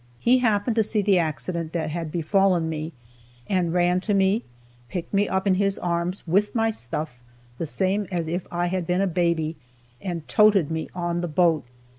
He happened to see the accident that had befallen me, and ran to me, picked me up in his arms, with my stuff, the same as if I had been a baby, and "toted" me on the boat.